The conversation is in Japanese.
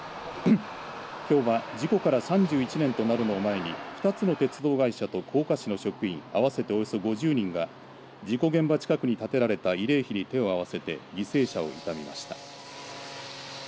きょうは事故から３１年となるのを前に２つの鉄道会社と甲賀市の職員、合わせておよそ５０人が事故現場近くに建てられた慰霊碑に手を合わせて犠牲者を悼みました。